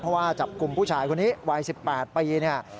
เพราะว่าจับกลุ่มผู้ชายคนนี้วัย๑๘ปีเนี่ย